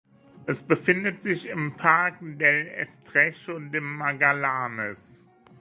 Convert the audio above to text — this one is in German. Es befindet sich im Parque del Estrecho de Magallanes.